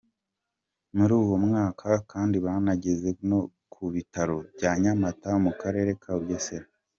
Muri uwo mwaka kandi banageze no ku Bitaro bya Nyamata mu Karere ka Bugesera.